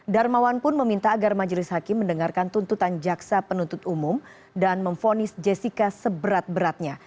darmawan pun meminta agar majelis hakim mendengarkan tuntutan jaksa penuntut umum dan memfonis jessica seberat beratnya